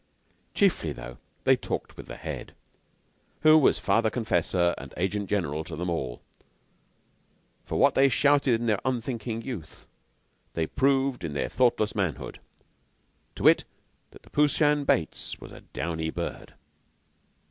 Chiefly, though, they talked with the Head, who was father confessor and agent general to them all; for what they shouted in their unthinking youth, they proved in their thoughtless manhood to wit, that the Prooshan Bates was "a downy bird."